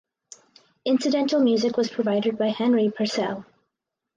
Incidental music was provided by Henry Purcell.